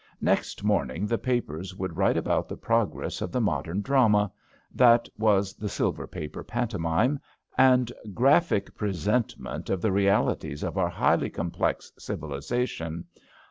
Next morning the papers would write about the progress of the modem drama (that was the silver paper pantomime), and graphic 264 ABAFT THE FUNNEt presentment of the realities of our highly complex civilisation.